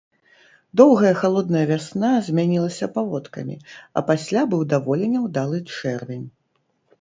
Доўгая халодная вясна змянілася паводкамі, а пасля быў даволі няўдалы чэрвень.